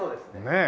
ねえ。